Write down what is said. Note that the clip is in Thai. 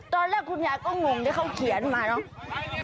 ตอนแรกคุณยายก็งงที่เขาเขียนมาเนอะ